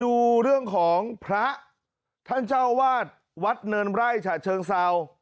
ดูเรื่องของพระท่านเจ้าวาดวัดเนินไร่ฉะเชิงเซา